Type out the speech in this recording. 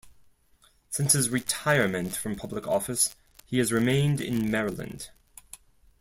Since his retirement from public office, he has remained in Maryland.